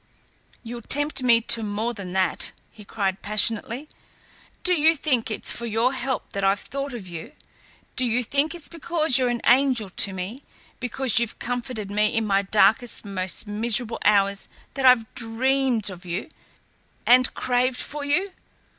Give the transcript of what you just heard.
"You'll tempt me to more than that," he cried passionately. "Do you think it's for your help that I've thought of you? Do you think it's because you're an angel to me, because you've comforted me in my darkest, most miserable hours that I've dreamed of you and craved for you?